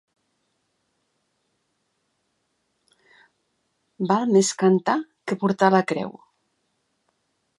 Val més cantar que portar la creu.